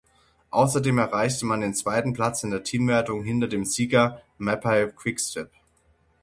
Außerdem erreichte man den zweiten Platz in der Teamwertung hinter dem Sieger Mapei–Quick Step.